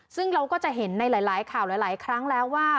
ซึ่งเราก็จะเห็นในหลายข่าวหลายครั้งแล้วว่า